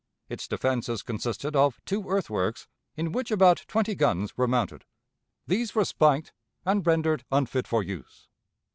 Its defenses consisted of two earthworks, in which about twenty guns were mounted. These were spiked and rendered unfit for use.